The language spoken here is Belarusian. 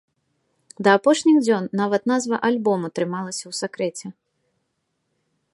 Да апошніх дзён нават назва альбому трымалася ў сакрэце.